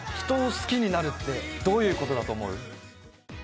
人を好きになるってどういう事だと思う？